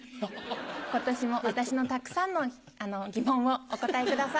今年も私のたくさんの疑問をお答えください